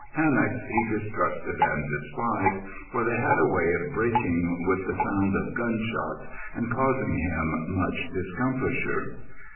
Hammocks he distrusted and despised, for they had a way of breaking with the sound of gun shots and causing him much discomfiture.